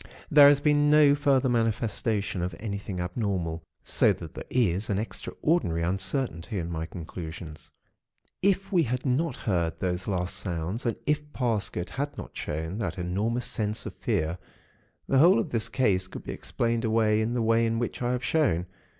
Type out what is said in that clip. There has been no further manifestation of anything abnormal; so that there is an extraordinary uncertainty in my conclusions. IF we had not heard those last sounds, and if Parsket had not shown that enormous sense of fear, the whole of this case could be explained away in the way in which I have shown.